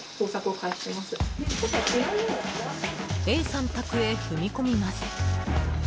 Ａさん宅へ踏み込みます。